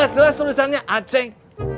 jelas tulisannya aceh